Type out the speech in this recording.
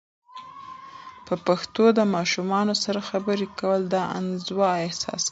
په پښتو د ماشومانو سره خبرې کول، د انزوا احساس کموي.